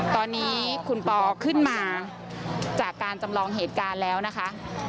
ตอนนี้คุณปอขึ้นมาจากการจำลองเหตุการณ์แล้วนะคะ